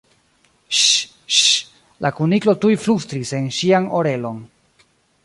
"Ŝ! Ŝ!" la Kuniklo tuj flustris en ŝian orelon.